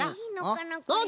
これ。